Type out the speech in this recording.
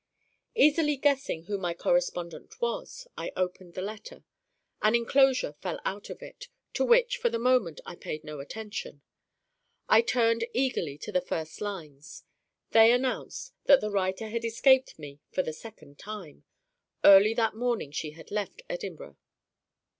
Easily guessing who my correspondent was, I opened the letter. An inclosure fell out of it to which, for the moment, I paid no attention. I turned eagerly to the first lines. They announced that the writer had escaped me for the second time: early that morning she had left Edinburgh.